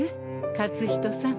勝人さん。